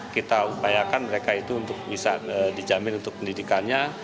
kita upayakan mereka itu untuk bisa dijamin untuk pendidikannya